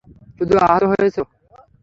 শুধু আহত হয়েছো।